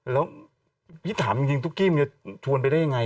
แล้วพี่ถามจริงตุ๊กกี้มันจะชวนไปได้ยังไง